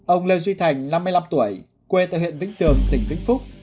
ông lê duy thành năm mươi năm tuổi quê tại huyện vĩnh tường tỉnh vĩnh phúc